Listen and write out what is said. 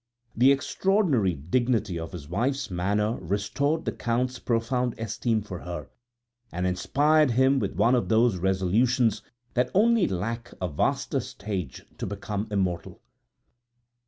The extraordinary dignity of his wife's manner restored the Count's profound esteem for her, and inspired him with one of those resolutions that only lack a vaster stage to become immortal.